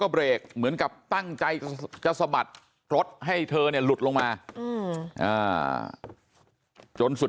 เบรกเหมือนกับตั้งใจจะสะบัดรถให้เธอเนี่ยหลุดลงมาจนสุด